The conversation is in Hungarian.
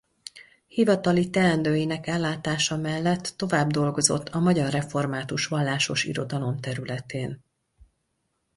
Hivatali teendőinek ellátása mellett tovább dolgozott a magyar református vallásos irodalom területén.